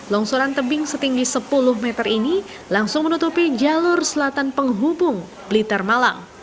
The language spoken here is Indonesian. longsoran tebing setinggi sepuluh meter ini langsung menutupi jalur selatan penghubung blitar malang